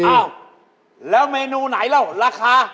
อ้าวแล้วเมนูไหนล่ะละคา